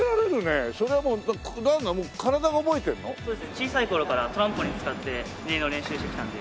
小さい頃からトランポリン使ってひねりの練習してきたので。